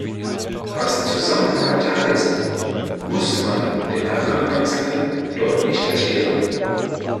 Was Zusammenhalt heißt, muss man den Heranwachsenden dort nicht erklären.